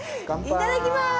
いただきます！